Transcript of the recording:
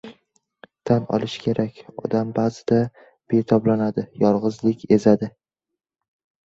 Tan olish kerak, odam ba’zida betoblanadi, yolg‘izlik ezadi.